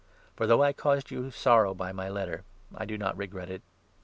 For, though I caused 8 you sorrow by my letter, I do not regret it.